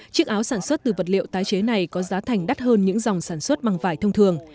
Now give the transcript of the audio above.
chiếc áo sản xuất từ vật liệu tái chế này có giá thành đắt hơn những dòng sản xuất bằng vải thông thường